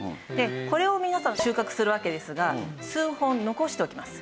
これを皆さん収穫するわけですが数本残しておきます。